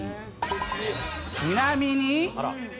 ちなみに。